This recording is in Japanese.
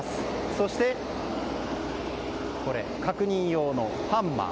そして、確認用のハンマー。